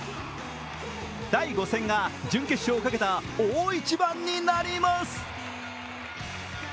第５戦が、準決勝をかけた大一番になります。